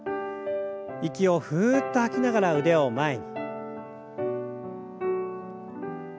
息をふっと吐きながら腕を前に。